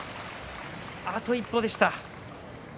あと一歩でした。